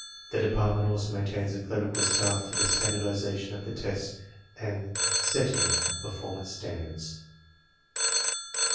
The department also maintains a clerical staff for the standardization of the tests and setting of performance standards.